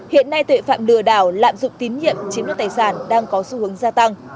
hiện nay tội phạm lừa đảo lạm dụng tín nhiệm chiếm đoạt tài sản đang có xu hướng gia tăng